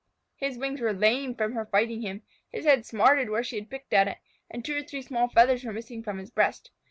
His wings were lame from her fighting him, his head smarted where she had picked at it, and two or three small feathers were missing from his breast.